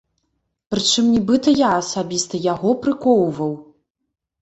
Прычым нібыта я асабіста яго прыкоўваў!